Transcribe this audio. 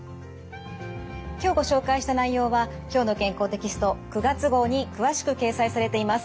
今日ご紹介した内容は「きょうの健康」テキスト９月号に詳しく掲載されています。